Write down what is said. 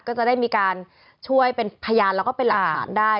ก็จะได้มีการช่วยเป็นพยานแล้วก็เป็นหลักฐานได้